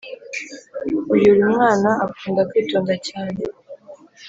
uyuri mwana akunda kw’ itonda cyane